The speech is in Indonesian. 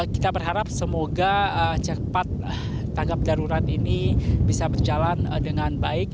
kita berharap semoga cepat tanggap darurat ini bisa berjalan dengan baik